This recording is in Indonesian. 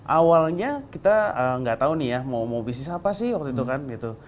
awalnya kita tidak tahu mau bisnis apa sih waktu itu